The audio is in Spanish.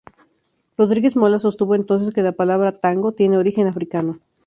Rodríguez Molas sostuvo entonces que la palabra "tango" tiene origen africano.